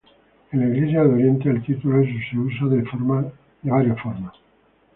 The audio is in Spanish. En la Iglesia de Oriente el título es usado de varias formas.